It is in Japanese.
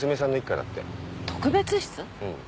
うん。